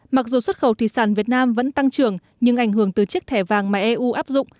mặc dù xuất khẩu thủy sản việt nam vẫn tăng trưởng nhưng ảnh hưởng từ chiếc thẻ vàng mà eu áp dụng